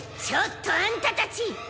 ちょっとあんたたち！